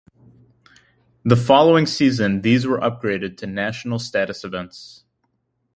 The following season these were upgraded to National Status events.